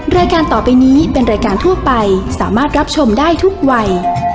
รายการต่อไปนี้เป็นรายการทั่วไปสามารถรับชมได้ทุกวัย